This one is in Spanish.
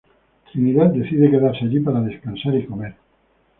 Trinidad decide quedarse allí para descansar y comer.